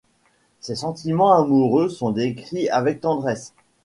Ses sentiments amoureux sont décrits avec tendresse.